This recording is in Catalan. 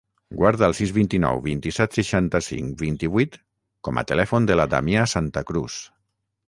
Guarda el sis, vint-i-nou, vint-i-set, seixanta-cinc, vint-i-vuit com a telèfon de la Damià Santa Cruz.